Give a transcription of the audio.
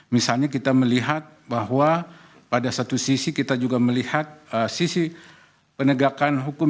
misalnya kita melihat bahwa pada satu sisi kita juga melihat sisi penegakan hukum